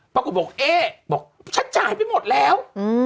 ปรากฏบอกเอ๊บอกฉันจ่ายไปหมดแล้ว